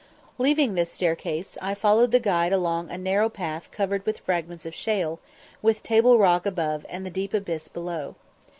Leaving this staircase, I followed the guide along a narrow path covered with fragments of shale, with Table Rock above and the deep abyss below.